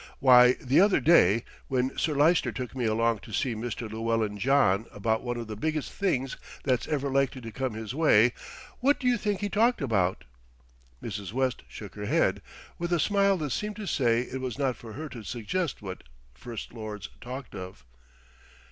"Why, the other day, when Sir Lyster took me along to see Mr. Llewellyn John about one of the biggest things that's ever likely to come his way, what do you think he talked about?" Mrs. West shook her head, with a smile that seemed to say it was not for her to suggest what First Lords talked of.